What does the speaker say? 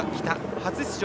初出場。